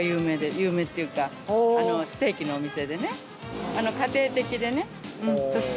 有名っていうかステーキのお店でね。